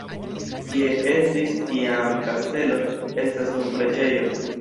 Kie estis iam kastelo estas nun preĝejo.